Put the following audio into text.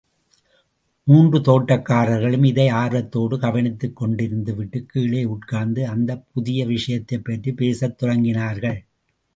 மூன்று தோட்டக்காரர்களும் இதை ஆர்வத்தோடு கவனித்துக் கொண்டிருந்துவிட்டுக் கீழே உட்கார்ந்து அந்தப் புதிய விஷயத்தைப் பற்றிப் பேசத் தொடங்கினார்கள்.